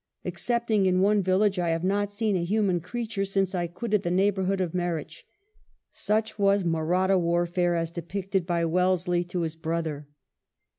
Excepting in one village I have not seen a human creature since I quitted the neighbourhood of Meritch." Such was Mahratta warfare as depicted by Wellesley to his brother.